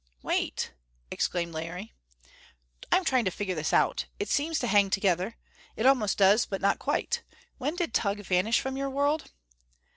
"Wait!" exclaimed Larry. "I'm trying to figure this out. It seems to hang together. It almost does, but not quite. When did Tugh vanish from your world?"